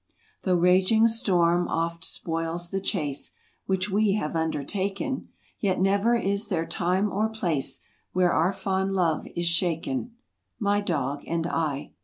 46 Though raging storm oft spoils the chase Which we have undertaken, Yet never is there time or place Where our fond love is shaken. My dog and I.